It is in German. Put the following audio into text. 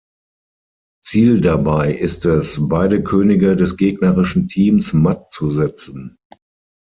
Ziel dabei ist es, beide Könige des gegnerischen Teams matt zu setzen.